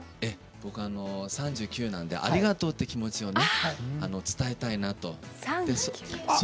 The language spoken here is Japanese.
僕は３９なのでありがとうっていう気持ちを伝えたいなと。